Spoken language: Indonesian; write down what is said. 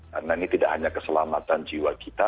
karena ini tidak hanya keselamatan jiwa kita